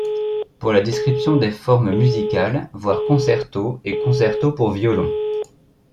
Pour la description des formes musicales, voir concerto et concerto pour violon.